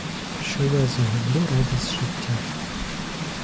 Що я загублю радість життя.